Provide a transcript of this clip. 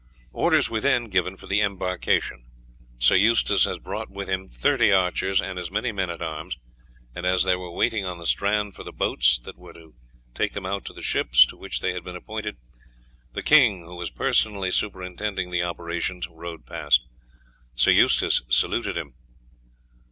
Orders were then given for the embarkation. Sir Eustace had brought with him thirty archers and as many men at arms, and, as they were waiting on the strand for the boats that were to take them out to the ships to which they had been appointed, the king, who was personally superintending the operations, rode past. Sir Eustace saluted him.